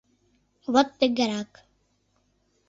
Вот тыгерак.